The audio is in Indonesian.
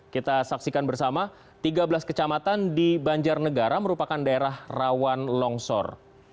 kita saksikan bersama tiga belas kecamatan di banjarnegara merupakan daerah rawan longsor